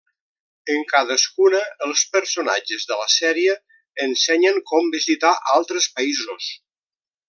En cadascuna, els personatges de la sèrie ensenyen com visitar altres països.